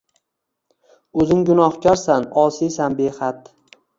O’zing gunohkorsan, osiysan behad